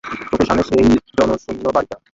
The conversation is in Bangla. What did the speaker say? চোখের সামনে সেই জনশূন্য বাড়িটা।